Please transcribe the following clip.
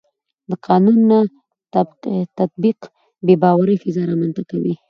د قانون نه تطبیق د بې باورۍ فضا رامنځته کوي